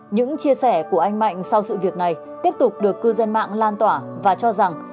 những chia sẻ của anh mạnh sau sự việc này tiếp tục được cư dân mạng lan tỏa và cho rằng